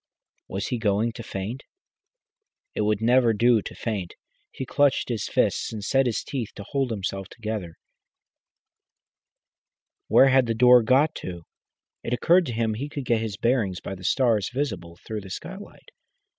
Was he going to faint? It would never do to faint. He clenched his fists and set his teeth to hold himself together. Where had the door got to? It occurred to him he could get his bearings by the stars visible through the skylight.